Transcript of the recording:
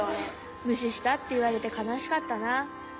「むしした」っていわれてかなしかったな。